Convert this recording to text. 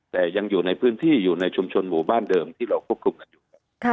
แต่ยังอยู่ในพื้นที่อยู่ในชุมชนหมู่บ้านเดิมที่เราควบคุมกันอยู่